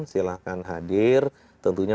silahkan hadir tentunya